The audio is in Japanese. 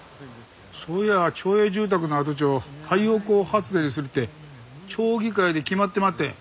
そういや町営住宅の跡地を太陽光発電にするって町議会で決まってまって。